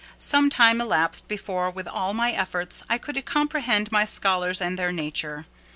Some time elapsed before, with all my efforts, I could comprehend my scholars and their nature.